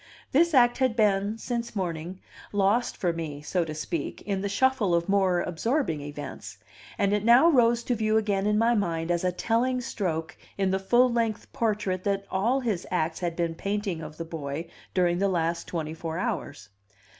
This act had been, since morning, lost for me, so to speak, in the shuffle of more absorbing events; and it now rose to view again in my mind as a telling stroke in the full length portrait that all his acts had been painting of the boy during the last twenty four hours.